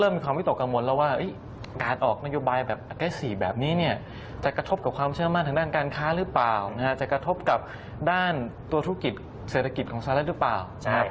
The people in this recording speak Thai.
ไม่รู้หายดาวโจรต่ำกว่า๒๐๐๐๐ไปแล้ว